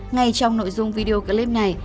ngay trong nội dung video clip này